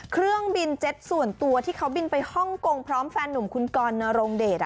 เครื่องบินเจ็ตส่วนตัวที่เขาบินไปฮ่องกงพร้อมแฟนหนุ่มคุณกรนรงเดช